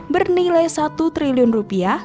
bernilai satu triliun rupiah